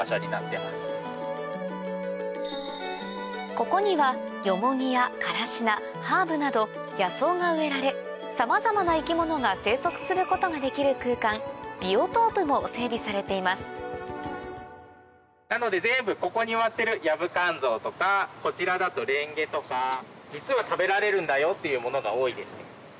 ここにはヨモギやカラシナハーブなど野草が植えられさまざまな生き物が生息することができる空間ビオトープも整備されていますなので全部ここに埋まってるヤブカンゾウとかこちらだとレンゲとか実は食べられるんだよっていうものが多いです。